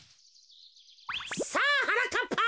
さあはなかっぱ。